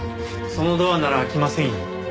そのドアなら開きませんよ。